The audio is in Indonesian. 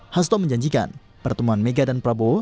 hasto menjanjikan pertemuan mega dan prabowo